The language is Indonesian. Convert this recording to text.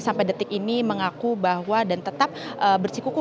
sampai detik ini mengaku bahwa dan tetap bersikuku